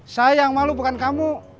saya yang malu bukan kamu